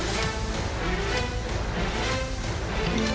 สวัสดีครับ